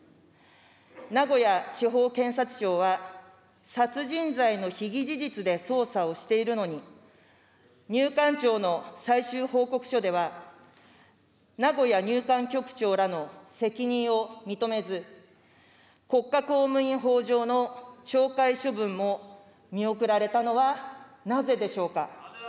名古屋地方検察庁は、殺人罪の被疑事実で捜査をしているのに、入管庁の最終報告書では、名古屋入管局長らの責任を認めず、国家公務員法上の懲戒処分も見送られたのはなぜでしょうか。